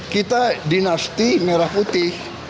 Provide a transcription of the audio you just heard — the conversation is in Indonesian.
kita dinasti merah putih